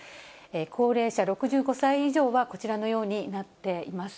高齢者６５歳以上はこちらのようになっています。